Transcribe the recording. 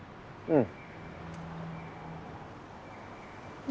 うん。